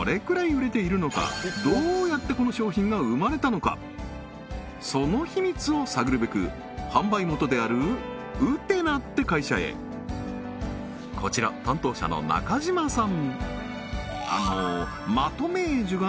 一体その秘密を探るべく販売元であるウテナって会社へこちら担当者の中島さん